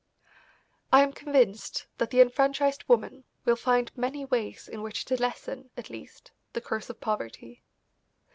I am convinced that the enfranchised woman will find many ways in which to lessen, at least, the curse of poverty.